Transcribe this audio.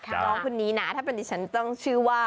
น้องคนนี้นะถ้าเป็นดิฉันต้องชื่อว่า